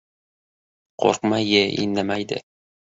— Qo‘rqma-ye, indamaydi!